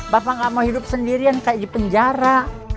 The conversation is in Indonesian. bapak nggak mau hidup sendirian kayak di penjara